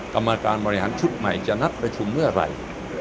กรรมการบริหารชุดใหม่จะนัดประชุมเมื่อไหร่